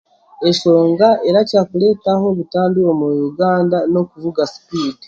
Esonga erakira kureetaho butandu omu Uganda n'okuvuga sipiidi.